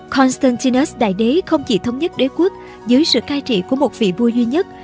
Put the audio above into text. constantinus đại đế không chỉ thống nhất đế quốc dưới sự cai trị của một vị vua duy nhất